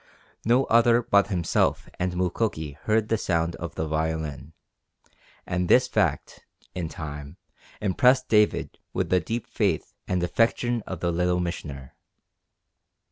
No other but himself and Mukoki heard the sound of the violin, and this fact, in time, impressed David with the deep faith and affection of the Little Missioner.